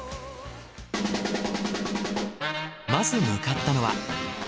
まず向かったのは。